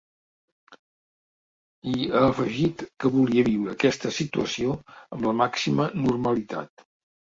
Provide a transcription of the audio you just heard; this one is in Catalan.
I ha afegit que volia viure aquesta situació amb la màxima normalitat.